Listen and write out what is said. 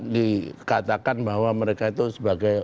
dikatakan bahwa mereka itu sebagai